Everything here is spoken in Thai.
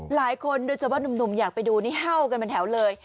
โดยเฉพาะนุ่มอยากไปดูนี่เ่ากันเป็นแถวเลย